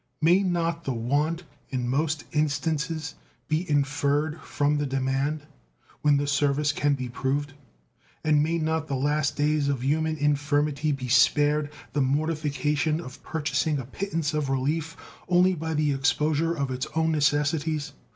May not the want in most instances be inferred from the demand when the service can be proved, and may not the last days of human infirmity be spared the mortification of purchasing a pittance of relief only by the exposure of its own necessities?